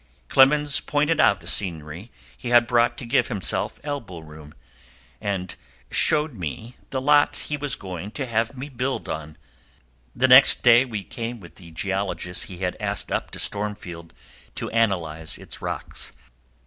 Clemens pointed out the scenery he had bought to give himself elbow room, and showed me the lot he was going to have me build on. The next day we came again with the geologist he had asked up to Stormfield to analyze its rocks.